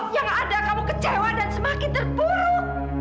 yang ada kamu kecewa dan semakin terburuk